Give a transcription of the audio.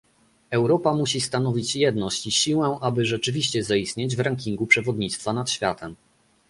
Europa musi stanowić jedność i siłę, aby rzeczywiście zaistnieć w rankingu przewodnictwa nad światem